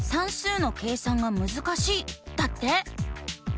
だって。